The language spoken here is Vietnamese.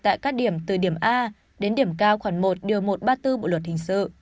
tại các điểm từ điểm a đến điểm cao khoảng một điều một trăm ba mươi bốn bộ luật hình sự